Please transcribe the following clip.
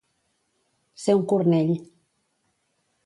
Ser un cornell.